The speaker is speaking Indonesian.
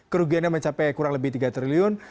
kerugiannya mencapai kurang lebih tiga triliun